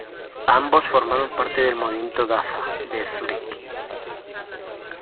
Ambos formaron parte del movimiento Dada de Zúrich.